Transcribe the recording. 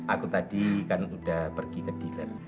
aku tadi kan udah pergi ke dealer